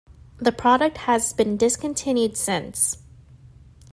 The product has been discontinued since.